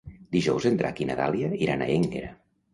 Dijous en Drac i na Dàlia iran a Énguera.